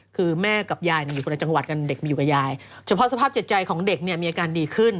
คือแม่กับยายอยู่คนละจังหวัดกันเด็กมาอยู่กับยายเฉพาะสภาพจิตใจของเด็กเนี่ยมีอาการดีขึ้น